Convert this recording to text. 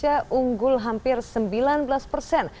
indonesia unggul hampir sembilan belas persen